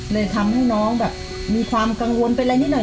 เลยทำให้น้องแบบมีความกังวลเป็นอะไรนิดหน่อย